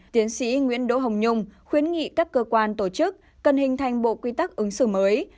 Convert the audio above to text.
tiến sĩ nguyễn đỗ hồng nhung khuyến nghị các cơ quan tổ chức cần hình thành bộ quy tắc ứng xử mới